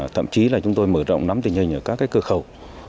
thậm chí là chúng tôi mở rộng nắm tình hình ở các cửa khẩu